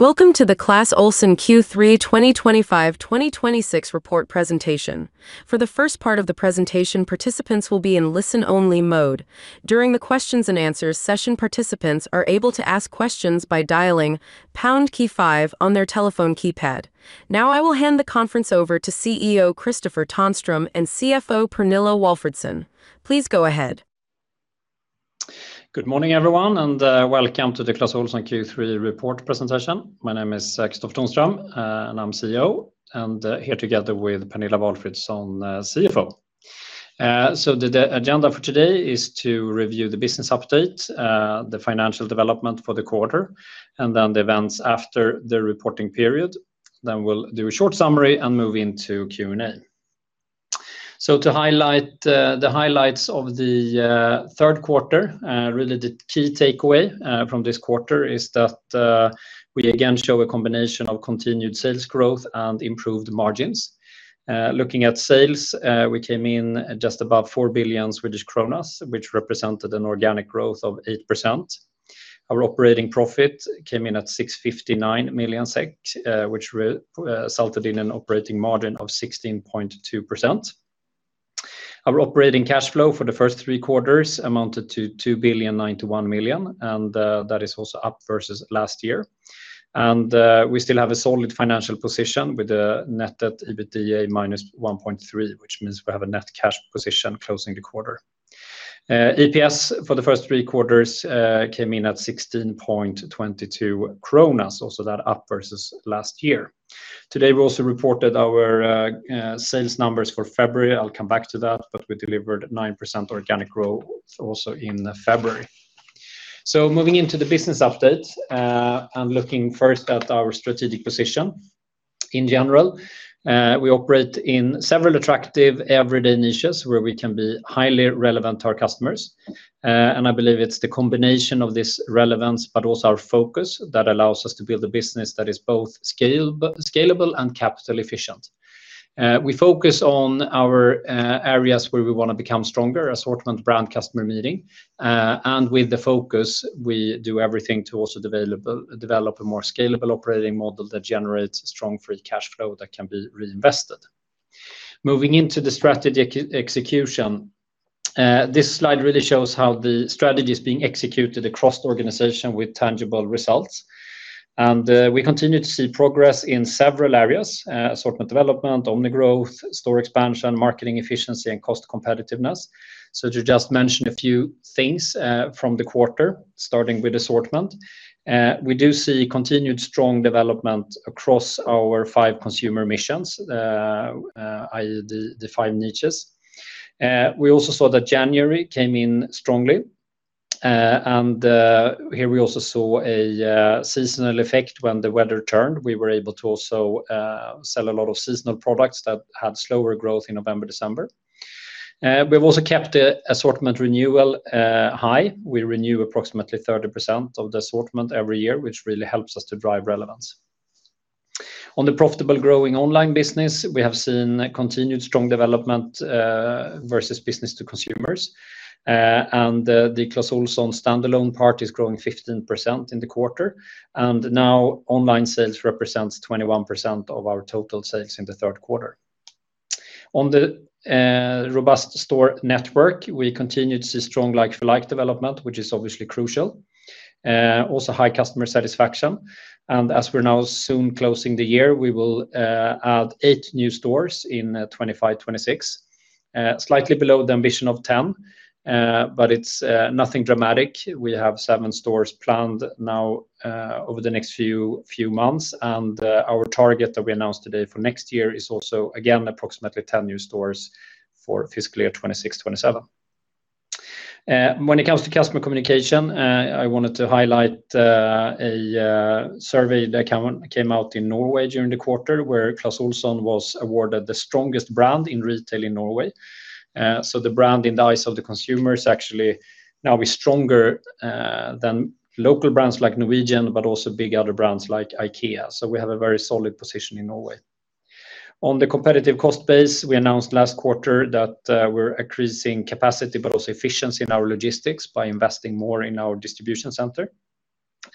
Welcome to the Clas Ohlson Q3 2025/2026 report presentation. For the first part of the presentation, participants will be in listen only mode. During the questions and answers session, participants are able to ask questions by dialing pound key five on their telephone keypad. Now I will hand the conference over to CEO, Kristofer Tonström and CFO, Pernilla Walfridsson. Please go ahead. Good morning, everyone, and welcome to the Clas Ohlson Q3 report presentation. My name is Kristofer Tonström, and I'm CEO, and here together with Pernilla Walfridsson, CFO. The agenda for today is to review the business update, the financial development for the quarter, and then the events after the reporting period. We'll do a short summary and move into Q&A. To highlight the highlights of the third quarter, really the key takeaway from this quarter is that we again show a combination of continued sales growth and improved margins. Looking at sales, we came in just above 4 billion Swedish kronor, which represented an organic growth of 8%. Our operating profit came in at 659 million SEK, which resulted in an operating margin of 16.2%. Our operating cash flow for the first three quarters amounted to 2.091 billion, that is also up versus last year. We still have a solid financial position with a net debt/EBITDA -1.3, which means we have a net cash position closing the quarter. EPS for the first three quarters came in at 16.22 kronor, also up versus last year. Today, we also reported our sales numbers for February. I'll come back to that, but we delivered 9% organic growth also in February. Moving into the business update, looking first at our strategic position. In general, we operate in several attractive everyday niches where we can be highly relevant to our customers. I believe it's the combination of this relevance but also our focus that allows us to build a business that is both scalable and capital efficient. We focus on our areas where we wanna become stronger: assortment, brand, customer meeting. With the focus, we do everything to also develop a more scalable operating model that generates strong free cash flow that can be reinvested. Moving into the strategy execution, this slide really shows how the strategy is being executed across the organization with tangible results. We continue to see progress in several areas: assortment development, omni growth, store expansion, marketing efficiency, and cost competitiveness. To just mention a few things from the quarter, starting with assortment. We do see continued strong development across our five consumer missions, i.e., the five niches. We also saw that January came in strongly. Here we also saw a seasonal effect when the weather turned. We were able to also sell a lot of seasonal products that had slower growth in November, December. We've also kept the assortment renewal high. We renew approximately 30% of the assortment every year, which really helps us to drive relevance. On the profitable growing online business, we have seen continued strong development versus business to consumers. The Clas Ohlson standalone part is growing 15% in the quarter, and now online sales represents 21% of our total sales in the third quarter. On the robust store network, we continue to see strong like-for-like development, which is obviously crucial. High customer satisfaction. As we're now soon closing the year, we will add eight new stores in 2025-2026. Slightly below the ambition of 10, but it's nothing dramatic. We have seven stores planned now over the next few months. Our target that we announced today for next year is also, again, approximately 10 new stores for fiscal year 2026-2027. When it comes to customer communication, I wanted to highlight a survey that came out in Norway during the quarter where Clas Ohlson was awarded the strongest brand in retail in Norway. So the brand in the eyes of the consumer is actually now stronger than local brands like Norwegian, but also big other brands like IKEA. We have a very solid position in Norway. On the competitive cost base, we announced last quarter that we're increasing capacity but also efficiency in our logistics by investing more in our distribution center.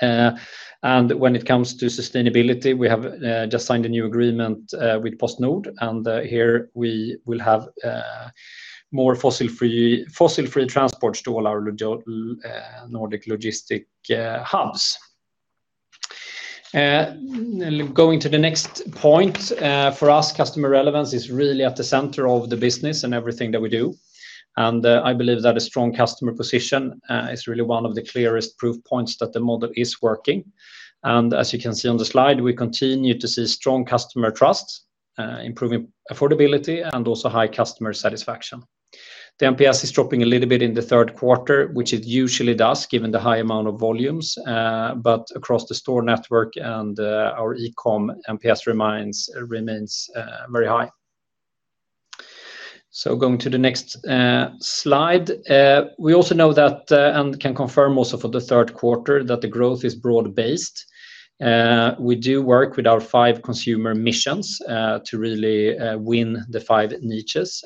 When it comes to sustainability, we have just signed a new agreement with PostNord, and here we will have more fossil-free transports to all our Nordic logistic hubs. Going to the next point, for us, customer relevance is really at the center of the business and everything that we do. I believe that a strong customer position is really one of the clearest proof points that the model is working. As you can see on the slide, we continue to see strong customer trust, improving affordability, and also high customer satisfaction. The NPS is dropping a little bit in the third quarter, which it usually does given the high amount of volumes, but across the store network and our eCom, NPS remains very high. Going to the next slide. We also know that and can confirm also for the third quarter that the growth is broad-based. We do work with our five consumer missions to really win the five niches.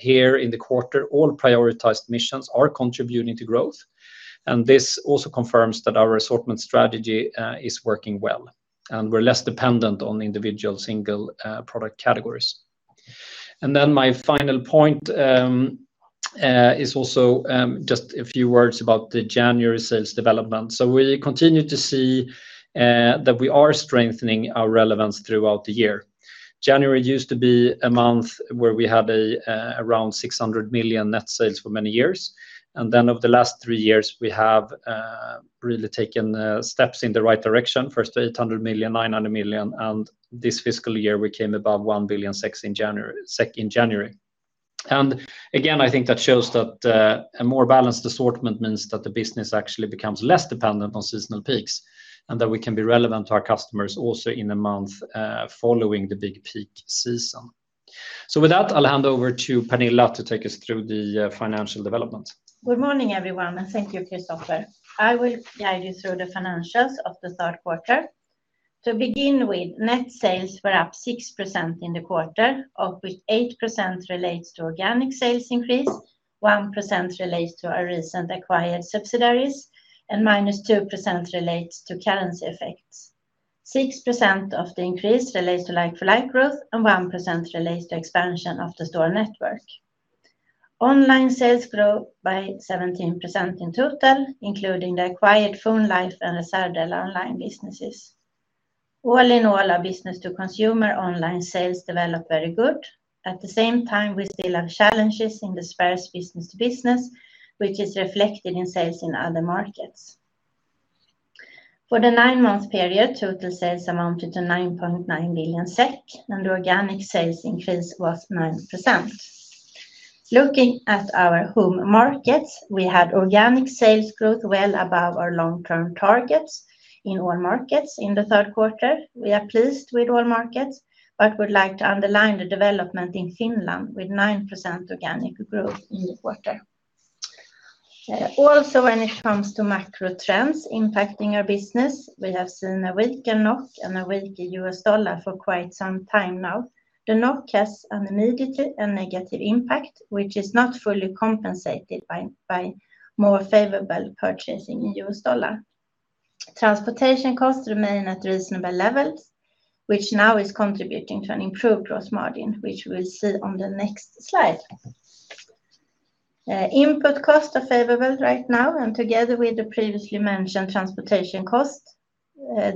Here in the quarter, all prioritized missions are contributing to growth. This also confirms that our assortment strategy is working well, and we're less dependent on individual single product categories. My final point is also just a few words about the January sales development. We continue to see that we are strengthening our relevance throughout the year. January used to be a month where we had around 600 million net sales for many years, and then over the last three years we have really taken steps in the right direction. First 800 million, 900 million, and this fiscal year we came above 1.6 billion SEK in January. Again, I think that shows that a more balanced assortment means that the business actually becomes less dependent on seasonal peaks, and that we can be relevant to our customers also in a month following the big peak season. With that, I'll hand over to Pernilla to take us through the financial development. Good morning everyone, and thank you, Kristofer. I will guide you through the financials of the third quarter. To begin with, net sales were up 6% in the quarter, of which 8% relates to organic sales increase, 1% relates to our recent acquired subsidiaries, and -2% relates to currency effects. 6% of the increase relates to like-for-like growth, and 1% relates to expansion of the store network. Online sales grow by 17% in total, including the acquired PhoneLife and Teknikdelar online businesses. All in all, our business-to-consumer online sales develop very good. At the same time, we still have challenges in the Spares business-to-business, which is reflected in sales in other markets. For the nine-month period, total sales amounted to 9.9 billion SEK, and the organic sales increase was 9%. Looking at our home markets, we had organic sales growth well above our long-term targets in all markets in the third quarter. We are pleased with all markets, but would like to underline the development in Finland with 9% organic growth in the quarter. Also, when it comes to macro trends impacting our business, we have seen a weaker NOK and a weaker US dollar for quite some time now. The NOK has an immediate and negative impact, which is not fully compensated by more favorable purchasing in US dollar. Transportation costs remain at reasonable levels, which now is contributing to an improved gross margin, which we'll see on the next slide. Input costs are favorable right now, and together with the previously mentioned transportation costs,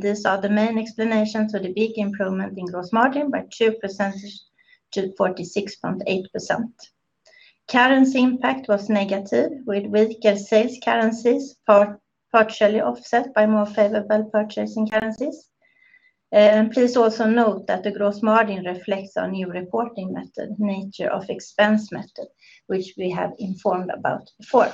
these are the main explanations for the big improvement in gross margin by 2% to 46.8%. Currency impact was negative with weaker sales currencies partially offset by more favorable purchasing currencies. Please also note that the gross margin reflects our new reporting method, nature of expense method, which we have informed about before.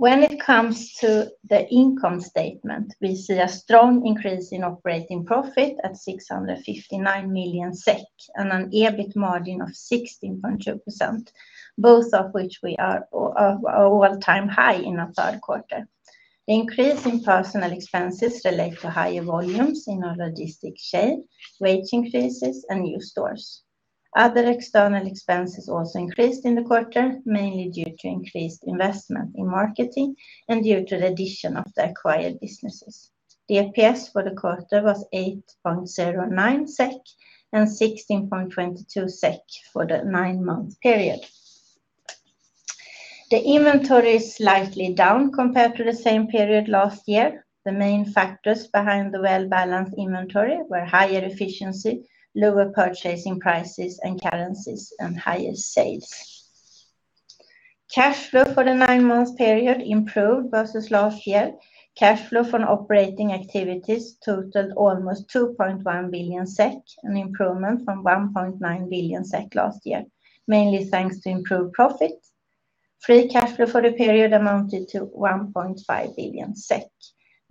When it comes to the income statement, we see a strong increase in operating profit at 659 million SEK and an EBIT margin of 16.2%, both of which are an all-time high in our third quarter. The increase in personal expenses relate to higher volumes in our logistic chain, wage increases, and new stores. Other external expenses also increased in the quarter, mainly due to increased investment in marketing and due to the addition of the acquired businesses. The EPS for the quarter was 8.09 SEK and 16.22 SEK for the nine-month period. The inventory is slightly down compared to the same period last year. The main factors behind the well-balanced inventory were higher efficiency, lower purchasing prices and currencies, and higher sales. Cash flow for the nine-month period improved versus last year. Cash flow from operating activities totaled almost 2.1 billion SEK, an improvement from 1.9 billion SEK last year, mainly thanks to improved profit. Free cash flow for the period amounted to 1.5 billion SEK.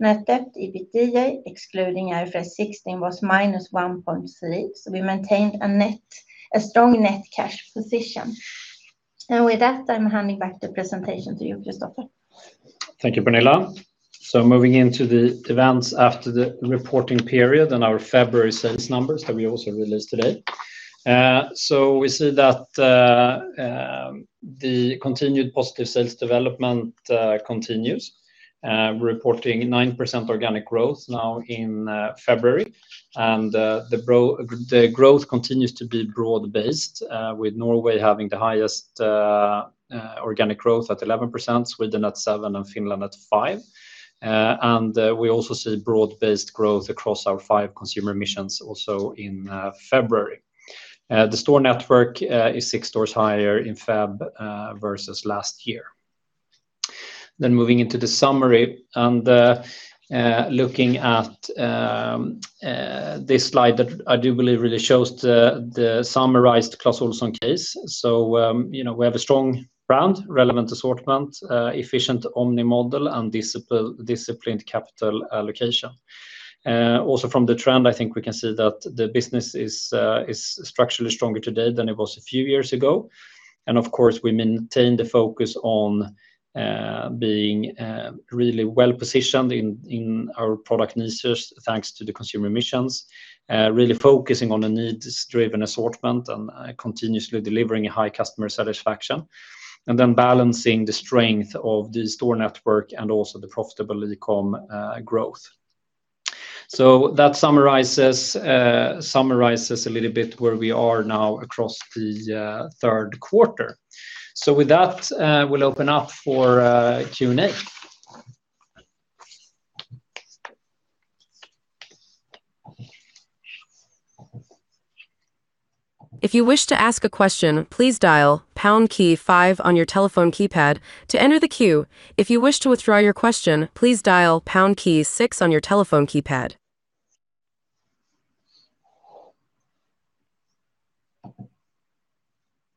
Net debt EBITDA, excluding IFRS 16, was -1.3, so we maintained a strong net cash position. With that, I'm handing back the presentation to you, Kristofer. Thank you, Pernilla. Moving into the events after the reporting period and our February sales numbers that we also released today. We see that the continued positive sales development continues, reporting 9% organic growth now in February. The growth continues to be broad-based, with Norway having the highest organic growth at 11%, Sweden at 7%, and Finland at 5%. We also see broad-based growth across our five consumer missions also in February. The store network is six stores higher in February versus last year. Moving into the summary and looking at this slide that I do believe really shows the summarized Clas Ohlson case. You know, we have a strong brand, relevant assortment, efficient omni model, and disciplined capital allocation. Also from the trend, I think we can see that the business is structurally stronger today than it was a few years ago. Of course, we maintain the focus on being really well-positioned in our product niches thanks to the consumer missions. Really focusing on a needs-driven assortment and continuously delivering a high customer satisfaction. Balancing the strength of the store network and also the profitable eCom growth. That summarizes a little bit where we are now across the third quarter. With that, we'll open up for Q&A. If you wish to ask a question, please dial pound key five on your telephone keypad to enter the queue. If you wish to withdraw your question, please dial pound key six on your telephone keypad.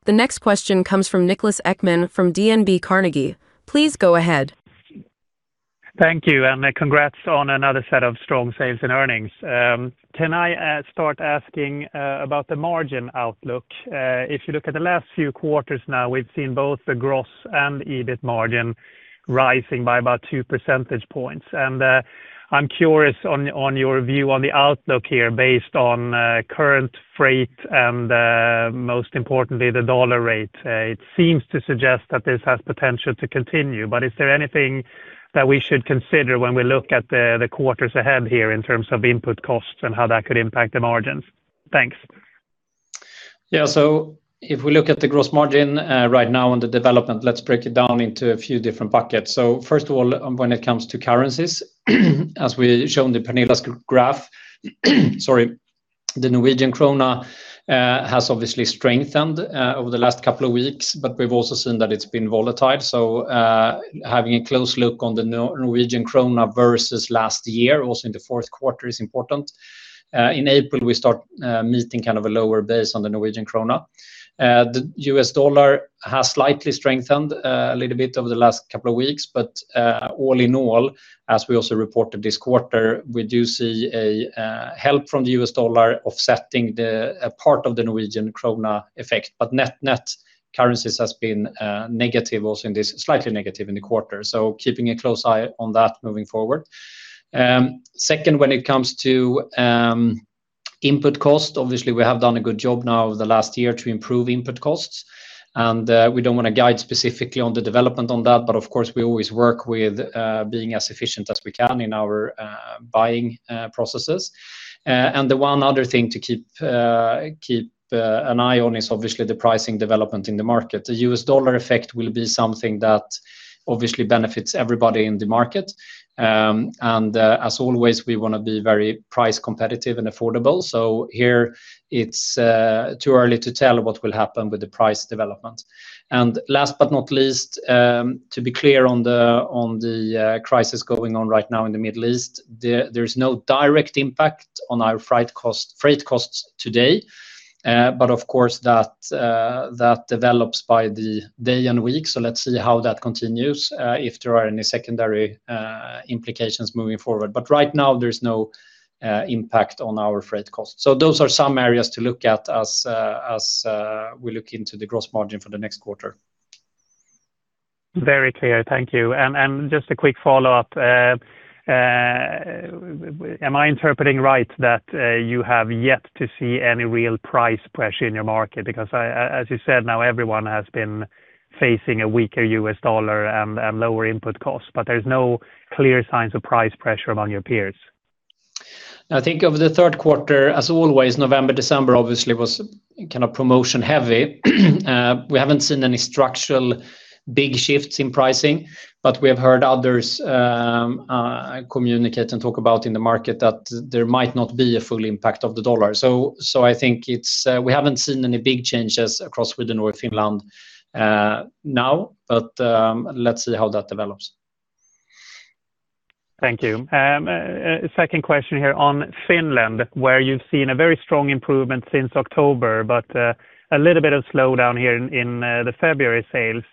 The next question comes from Niklas Ekman from DNB Carnegie. Please go ahead. Thank you, and congrats on another set of strong sales and earnings. Can I start asking about the margin outlook? If you look at the last few quarters now, we've seen both the gross and EBIT margin rising by about 2 percentage points. I'm curious on your view on the outlook here based on current freight and most importantly, the dollar rate. It seems to suggest that this has potential to continue, but is there anything that we should consider when we look at the quarters ahead here in terms of input costs and how that could impact the margins? Thanks. Yeah. If we look at the gross margin, right now on the development, let's break it down into a few different buckets. First of all, when it comes to currencies, as we shown Pernilla's graph, sorry, the Norwegian krona has obviously strengthened over the last couple of weeks, but we've also seen that it's been volatile. Having a close look on the Norwegian krona versus last year, also in the fourth quarter is important. In April, we start meeting kind of a lower base on the Norwegian krona. The US dollar has slightly strengthened a little bit over the last couple of weeks. All in all, as we also reported this quarter, we do see a help from the US dollar offsetting the part of the Norwegian krona effect. Net-net currencies has been negative also in this, slightly negative in the quarter. Keeping a close eye on that moving forward. Second, when it comes to input cost, obviously we have done a good job now over the last year to improve input costs, and we don't wanna guide specifically on the development on that, but of course, we always work with being as efficient as we can in our buying processes. And the one other thing to keep an eye on is obviously the pricing development in the market. The US dollar effect will be something that obviously benefits everybody in the market. And as always, we wanna be very price competitive and affordable. Here it's too early to tell what will happen with the price development. Last but not least, to be clear on the crisis going on right now in the Middle East, there's no direct impact on our freight costs today. Of course that develops by the day and week. Let's see how that continues, if there are any secondary implications moving forward. Right now, there's no impact on our freight costs. Those are some areas to look at as we look into the gross margin for the next quarter. Very clear. Thank you. Just a quick follow-up. Am I interpreting right that you have yet to see any real price pressure in your market? Because, as you said, now everyone has been facing a weaker US dollar and lower input costs, but there's no clear signs of price pressure among your peers. I think over the third quarter, as always, November, December obviously was kind of promotion heavy. We haven't seen any structural big shifts in pricing, but we have heard others communicate and talk about in the market that there might not be a full impact of the US dollar. I think it's we haven't seen any big changes across Sweden or Finland now. Let's see how that develops. Thank you. Second question here on Finland, where you've seen a very strong improvement since October, but a little bit of slowdown here in the February sales.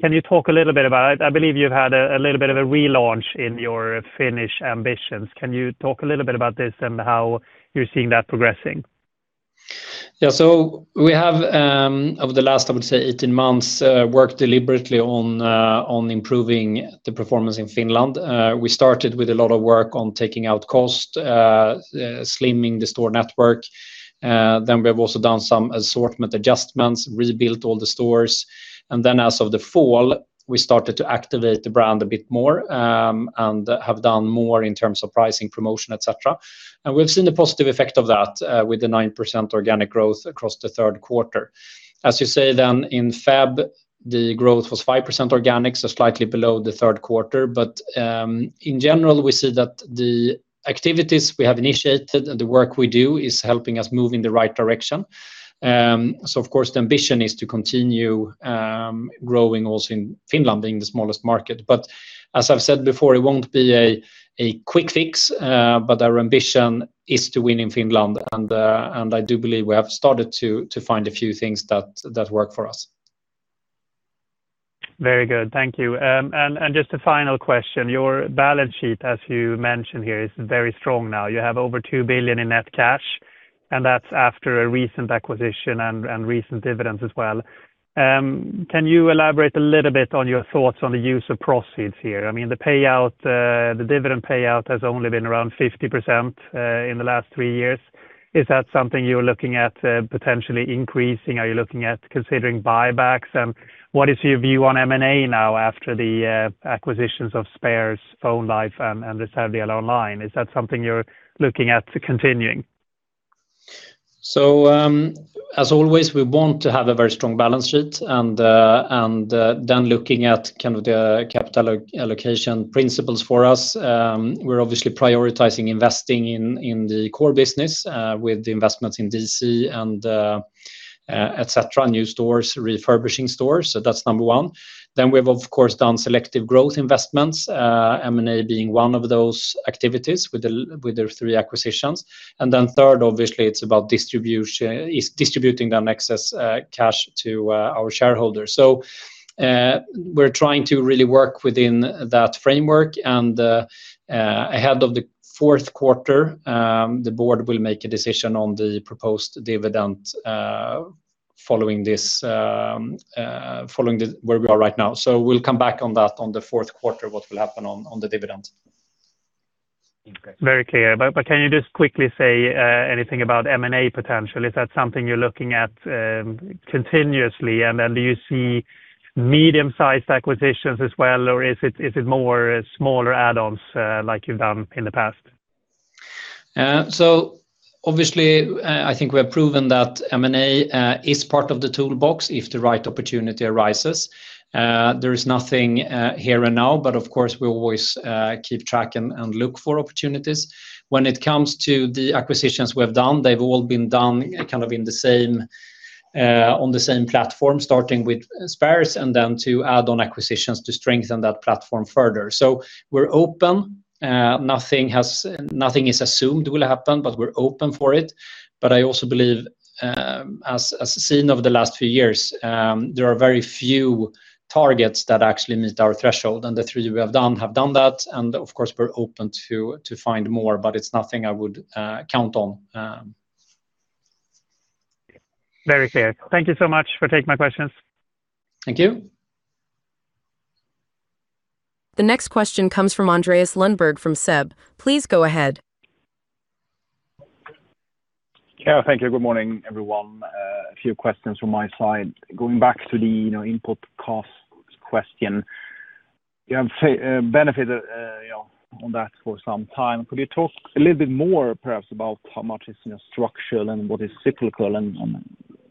Can you talk a little bit about it? I believe you've had a little bit of a relaunch in your Finnish ambitions. Can you talk a little bit about this and how you're seeing that progressing? Yeah. We have over the last, I would say 18 months, worked deliberately on improving the performance in Finland. We started with a lot of work on taking out cost, slimming the store network. We have also done some assortment adjustments, rebuilt all the stores, and then as of the fall, we started to activate the brand a bit more, and have done more in terms of pricing, promotion, et cetera. We've seen the positive effect of that, with the 9% organic growth across the third quarter. As you say then in February, the growth was 5% organic, so slightly below the third quarter. In general, we see that the activities we have initiated and the work we do is helping us move in the right direction. Of course the ambition is to continue growing also in Finland being the smallest market. As I've said before, it won't be a quick fix. Our ambition is to win in Finland. I do believe we have started to find a few things that work for us. Very good. Thank you. Just a final question. Your balance sheet, as you mentioned here, is very strong now. You have over 2 billion in net cash, and that's after a recent acquisition and recent dividends as well. Can you elaborate a little bit on your thoughts on the use of proceeds here? I mean, the payout, the dividend payout has only been around 50% in the last three years. Is that something you're looking at, potentially increasing? Are you looking at considering buybacks? What is your view on M&A now after the acquisitions of Spares, PhoneLife, and Teknikdelar online? Is that something you're looking at continuing? As always, we want to have a very strong balance sheet and then looking at kind of the capital allocation principles for us, we're obviously prioritizing investing in the core business with the investments in DC and et cetera, new stores, refurbishing stores. That's number one. Then we've of course done selective growth investments, M&A being one of those activities with the three acquisitions. Then third, obviously it's about distributing that excess cash to our shareholders. We're trying to really work within that framework, and ahead of the fourth quarter, the board will make a decision on the proposed dividend following where we are right now. We'll come back on that on the fourth quarter, what will happen on the dividends. Very clear. Can you just quickly say anything about M&A potential? Is that something you're looking at continuously? Do you see medium-sized acquisitions as well, or is it more smaller add-ons like you've done in the past? Obviously, I think we have proven that M&A is part of the toolbox if the right opportunity arises. There is nothing here and now, but of course, we always keep track and look for opportunities. When it comes to the acquisitions we have done, they've all been done kind of on the same platform, starting with Spares and then to add on acquisitions to strengthen that platform further. We're open. Nothing is assumed will happen, but we're open for it. I also believe, as seen over the last few years, there are very few targets that actually meet our threshold, and the three we have done have done that. Of course, we're open to find more, but it's nothing I would count on. Very clear. Thank you so much for taking my questions. Thank you. The next question comes from Andreas Lundberg from SEB. Please go ahead. Yeah, thank you. Good morning, everyone. A few questions from my side. Going back to the, you know, input cost question, you have benefited, you know, on that for some time. Could you talk a little bit more perhaps about how much is, you know, structural and what is cyclical and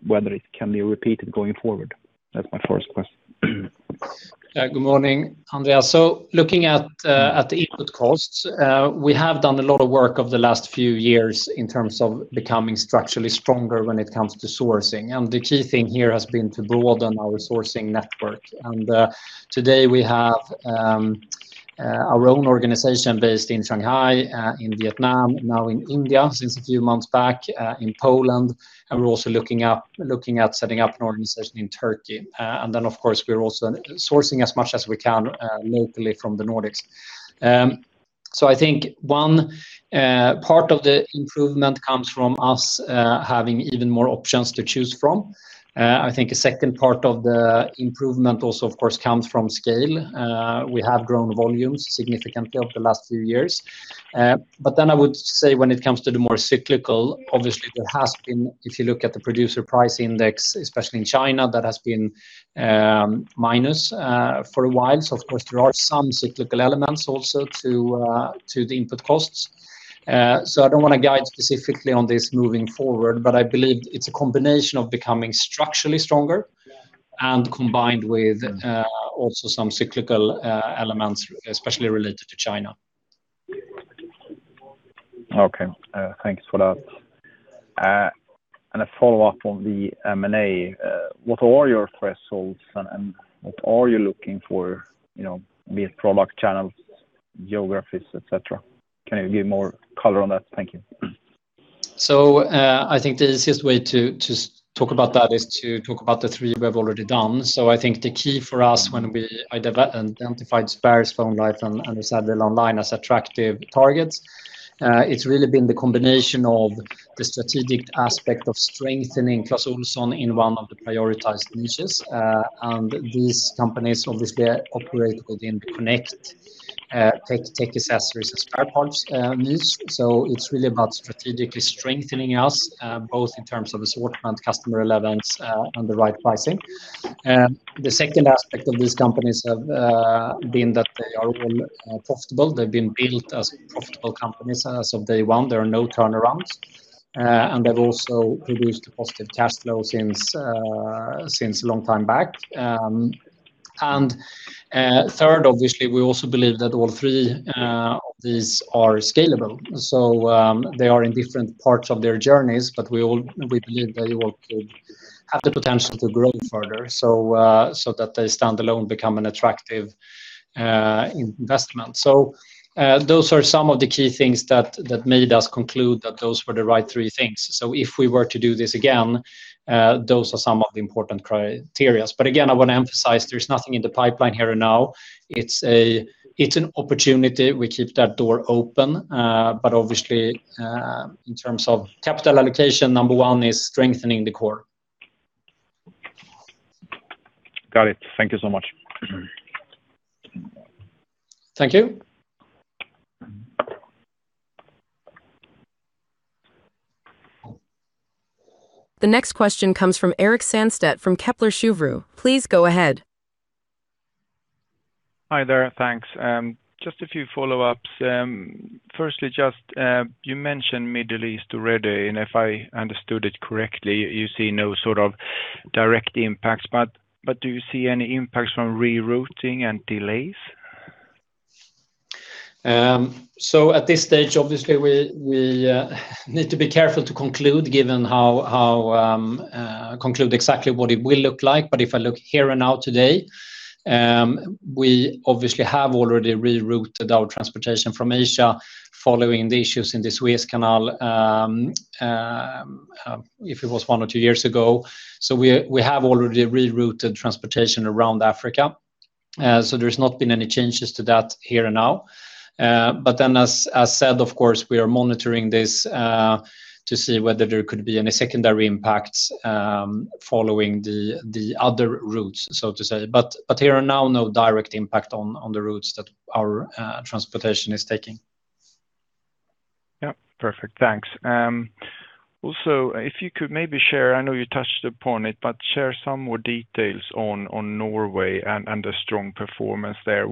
whether it can be repeated going forward? That's my first question. Good morning, Andreas. Looking at the input costs, we have done a lot of work over the last few years in terms of becoming structurally stronger when it comes to sourcing. The key thing here has been to broaden our sourcing network. Today we have our own organization based in Shanghai, in Vietnam, now in India since a few months back, in Poland, and we're also looking at setting up an organization in Turkey. Of course, we're also sourcing as much as we can locally from the Nordics. I think one part of the improvement comes from us having even more options to choose from. I think a second part of the improvement also, of course, comes from scale. We have grown volumes significantly over the last few years. I would say when it comes to the more cyclical, obviously there has been, if you look at the Producer Price Index, especially in China, that has been minus for a while. Of course, there are some cyclical elements also to the input costs. I don't wanna guide specifically on this moving forward, but I believe it's a combination of becoming structurally stronger and combined with also some cyclical elements, especially related to China. Okay. Thanks for that. A follow-up on the M&A, what are your thresholds and what are you looking for, you know, be it product channels, geographies, et cetera? Can you give more color on that? Thank you. I think the easiest way to talk about that is to talk about the three we've already done. I think the key for us when we identified Spares, PhoneLife, and Teknikdelar as attractive targets, it's really been the combination of the strategic aspect of strengthening Clas Ohlson in one of the prioritized niches. These companies obviously operate within the connected tech accessories and spare parts niche. It's really about strategically strengthening us both in terms of assortment, customer relevance, and the right pricing. The second aspect of these companies have been that they are all profitable. They've been built as profitable companies as of day one. There are no turnarounds. They've also produced a positive cash flow since a long time back. Third, obviously, we also believe that all three of these are scalable. They are in different parts of their journeys, but we believe they will could have the potential to grow further. So that they stand alone become an attractive investment. Those are some of the key things that made us conclude that those were the right three things. If we were to do this again, those are some of the important criteria. Again, I wanna emphasize there's nothing in the pipeline here and now. It's an opportunity. We keep that door open. Obviously, in terms of capital allocation, number one is strengthening the core. Got it. Thank you so much. Thank you. The next question comes from Erik Sandstedt from Kepler Cheuvreux. Please go ahead. Hi there. Thanks. Just a few follow-ups. Firstly, just, you mentioned Middle East already, and if I understood it correctly, you see no sort of direct impacts. Do you see any impacts from rerouting and delays? At this stage, obviously, we need to be careful to conclude exactly what it will look like. If I look here and now today, we obviously have already rerouted our transportation from Asia following the issues in the Suez Canal, if it was one or two years ago. We have already rerouted transportation around Africa. There's not been any changes to that here and now. As said, of course, we are monitoring this to see whether there could be any secondary impacts following the other routes, so to say. There are now no direct impact on the routes that our transportation is taking. Yeah. Perfect. Thanks. Also, if you could maybe share. I know you touched upon it, but share some more details on Norway and the strong performance there.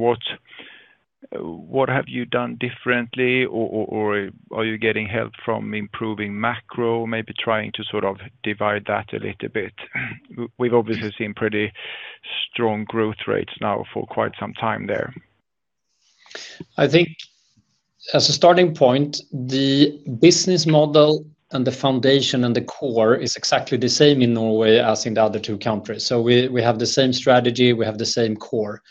What have you done differently or are you getting help from improving macro? Maybe trying to sort of divide that a little bit. We've obviously seen pretty strong growth rates now for quite some time there. I think as a starting point, the business model and the foundation and the core is exactly the same in Norway as in the other two countries. We have the same strategy, we have the same core.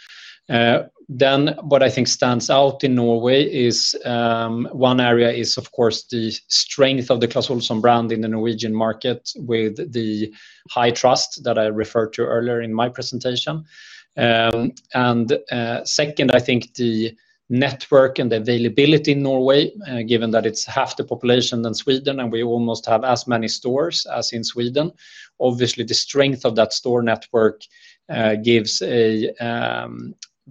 What I think stands out in Norway is, one area is, of course, the strength of the Clas Ohlson brand in the Norwegian market with the high trust that I referred to earlier in my presentation. Second, I think the network and availability in Norway, given that it's half the population than Sweden, and we almost have as many stores as in Sweden. Obviously, the strength of that store network gives a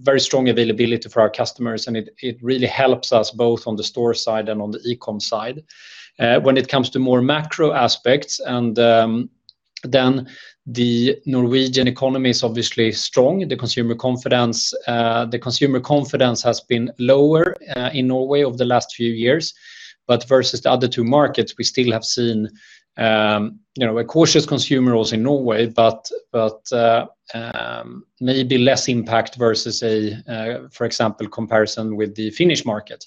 very strong availability for our customers, and it really helps us both on the store side and on the e-com side. When it comes to more macro aspects and then the Norwegian economy is obviously strong. The consumer confidence has been lower in Norway over the last few years. Versus the other two markets, we still have seen, you know, a cautious consumer also in Norway, but maybe less impact versus a, for example, comparison with the Finnish market.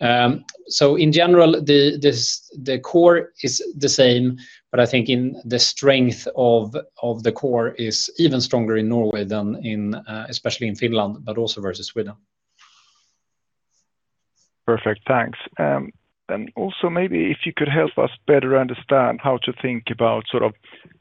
In general, the core is the same, but I think in the strength of the core is even stronger in Norway than in, especially in Finland, but also versus Sweden. Perfect. Thanks. And also maybe if you could help us better understand how to think about sort of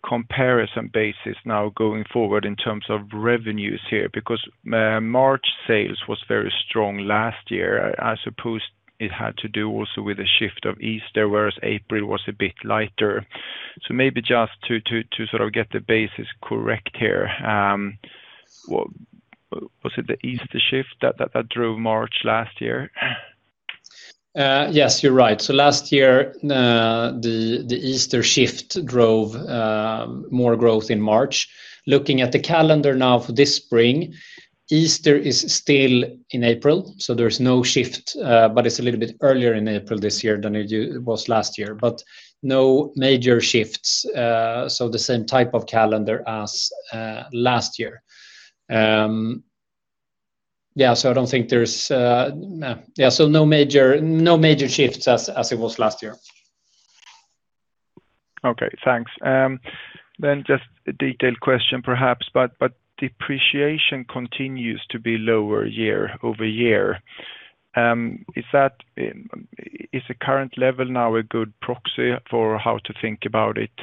comparison basis now going forward in terms of revenues here, because March sales was very strong last year. I suppose it had to do also with the shift of Easter, whereas April was a bit lighter. Maybe just to sort of get the basis correct here. Was it the Easter shift that drove March last year? Yes, you're right. Last year, the Easter shift drove more growth in March. Looking at the calendar now for this spring, Easter is still in April, so there's no shift. It's a little bit earlier in April this year than it was last year. No major shifts. The same type of calendar as last year. No major shifts as it was last year. Okay, thanks. Just a detailed question perhaps, but depreciation continues to be lower year-over-year. Is the current level now a good proxy for how to think about it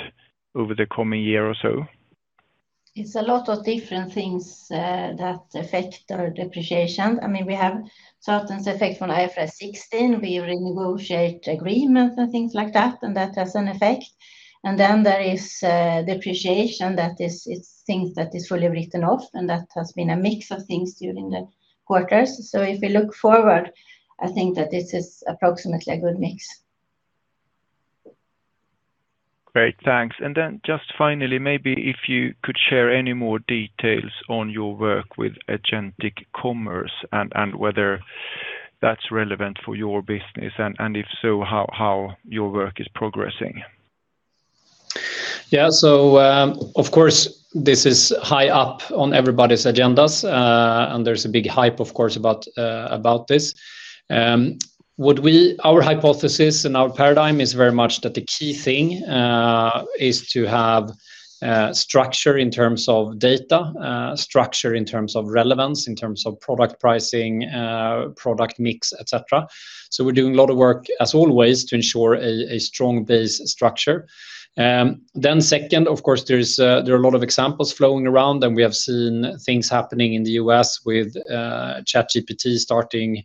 over the coming year or so? It's a lot of different things that affect our depreciation. I mean, we have certain effect from IFRS 16. We renegotiate agreements and things like that, and that has an effect. There is depreciation that is things that is fully written off, and that has been a mix of things during the quarters. If you look forward, I think that this is approximately a good mix. Great. Thanks. Just finally, maybe if you could share any more details on your work with agentic commerce and whether that's relevant for your business, and if so, how your work is progressing. Yeah. Of course, this is high up on everybody's agendas. There's a big hype, of course, about this. Our hypothesis and our paradigm is very much that the key thing is to have structure in terms of data, structure in terms of relevance, in terms of product pricing, product mix, et cetera. We're doing a lot of work, as always, to ensure a strong base structure. Second, of course, there are a lot of examples flowing around, and we have seen things happening in the U.S. with ChatGPT starting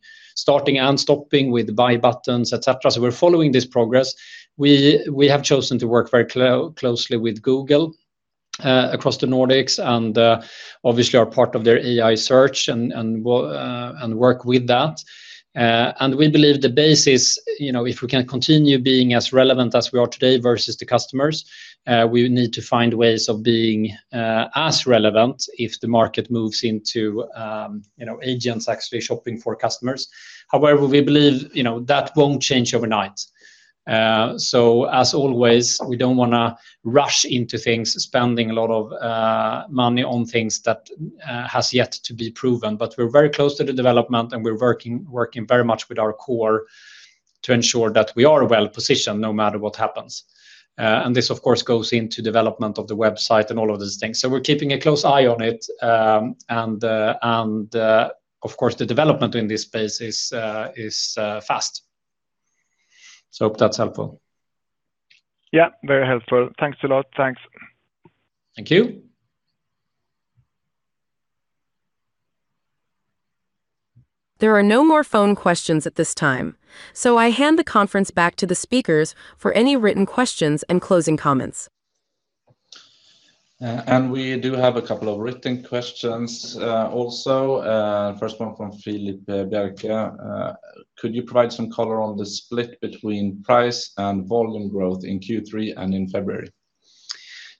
and stopping with buy buttons, et cetera. We're following this progress. We have chosen to work very closely with Google across the Nordics and obviously are part of their AI search and work with that. We believe the basis if we can continue being as relevant as we are today versus the customers we need to find ways of being as relevant if the market moves into agents actually shopping for customers. However, we believe that won't change overnight. As always, we don't wanna rush into things, spending a lot of money on things that has yet to be proven. We're very close to the development, and we're working very much with our core to ensure that we are well-positioned no matter what happens. This, of course, goes into development of the website and all of these things. We're keeping a close eye on it, and of course, the development in this space is fast. Hope that's helpful. Yeah, very helpful. Thanks a lot. Thanks. Thank you. There are no more phone questions at this time, so I hand the conference back to the speakers for any written questions and closing comments. We do have a couple of written questions, also. First one from Philip Berke. Could you provide some color on the split between price and volume growth in Q3 and in February?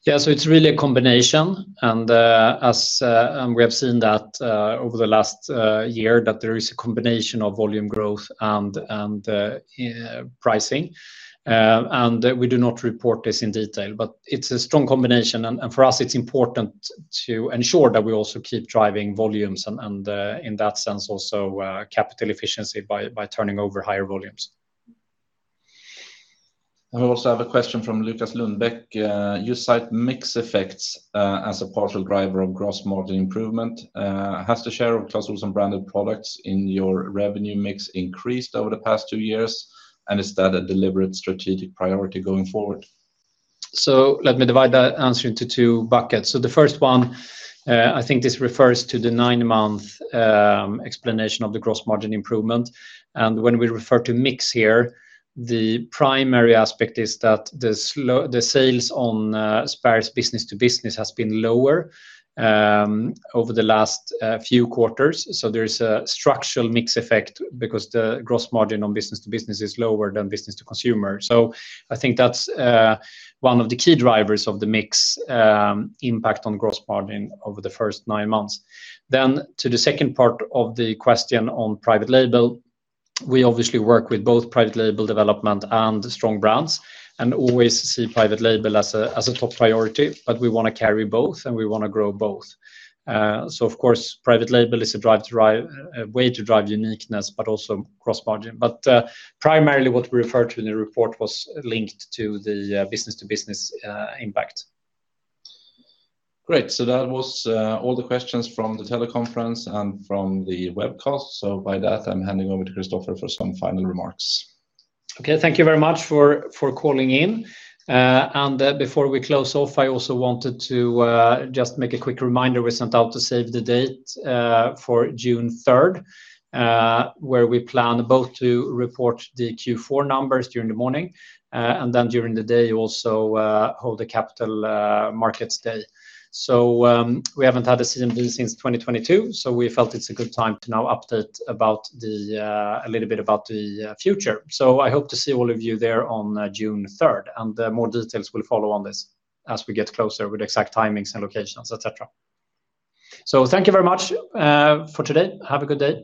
Yeah. It's really a combination, and, as we have seen that, over the last year that there is a combination of volume growth and pricing. We do not report this in detail, but it's a strong combination. For us, it's important to ensure that we also keep driving volumes and, in that sense also, capital efficiency by turning over higher volumes. I also have a question from Lukas Lundbäck. You cite mix effects, as a partial driver of gross margin improvement. Has the share of customers and branded products in your revenue mix increased over the past two years, and is that a deliberate strategic priority going forward? Let me divide that answer into two buckets. The first one, I think this refers to the nine-month explanation of the gross margin improvement. When we refer to mix here, the primary aspect is that the sales on Spares business to business has been lower over the last few quarters. There is a structural mix effect because the gross margin on business to business is lower than business to consumer. I think that's one of the key drivers of the mix impact on gross margin over the first nine months. To the second part of the question on private label, we obviously work with both private label development and strong brands and always see private label as a top priority, but we wanna carry both, and we wanna grow both. Of course, private label is a way to drive uniqueness, but also gross margin. Primarily what we refer to in the report was linked to the business to business impact. Great. That was all the questions from the teleconference and from the webcast. By that, I'm handing over to Kristofer for some final remarks. Okay. Thank you very much for calling in. Before we close off, I also wanted to just make a quick reminder we sent out to save the date for June third, where we plan both to report the Q4 numbers during the morning and then during the day also hold a capital markets day. We haven't had a CMD since 2022, so we felt it's a good time to now update about a little bit about the future. I hope to see all of you there on June third, and more details will follow on this as we get closer with exact timings and locations, et cetera. Thank you very much for today. Have a good day.